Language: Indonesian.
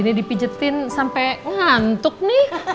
ini dipijetin sampai ngantuk nih